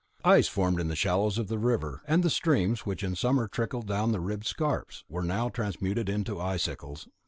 Ice formed in the shallows of the river; and the streams, which in summer trickled down the ribbed scarps, were now transmuted into icicles.